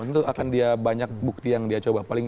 tentu akan dia banyak bukti yang dia coba